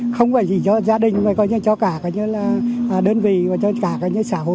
không phải chỉ cho gia đình mà cho cả đơn vị và cho cả xã hội chúng ta